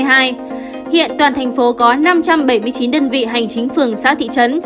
hiện toàn thành phố có năm trăm bảy mươi chín đơn vị hành chính phường xã thị trấn